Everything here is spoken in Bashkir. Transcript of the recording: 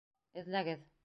Эҙләгеҙ!